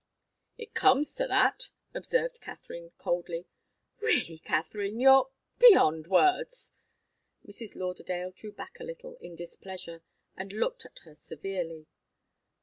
"It comes to that," observed Katharine, coldly. "Really, Katharine, you're beyond words!" Mrs. Lauderdale drew back a little, in displeasure, and looked at her severely.